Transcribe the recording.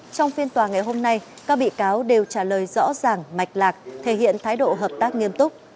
trong phiên tòa ngày hôm nay các bị cáo đều trả lời rõ ràng mạch lạc thể hiện thái độ hợp tác nghiêm túc